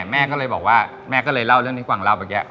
แม่ก็เลยเล่าเรื่องที่กวางเล่า